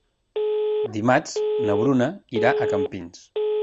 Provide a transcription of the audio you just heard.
Dimarts na Bruna irà a Campins.